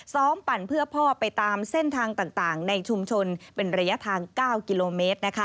ปั่นเพื่อพ่อไปตามเส้นทางต่างในชุมชนเป็นระยะทาง๙กิโลเมตร